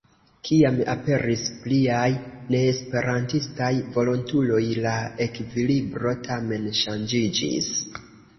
Kiam aperis pliaj neesperantistaj volontuloj la ekvilibro tamen ŝanĝiĝis.